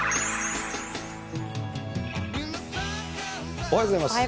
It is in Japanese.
おはようございます。